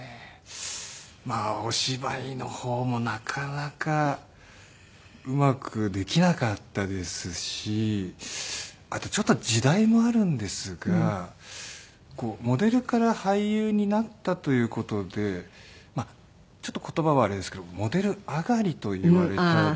まあお芝居の方もなかなかうまくできなかったですしあとちょっと時代もあるんですがモデルから俳優になったという事でまあちょっと言葉悪いんですけどモデル上がりと言われたり。